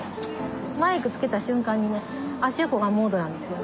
マイクつけた瞬間に芦屋小雁モードなんですよ。